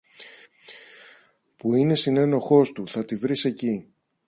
που είναι συνένοχος του, θα τη βρεις εκεί.